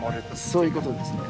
そういうことですね。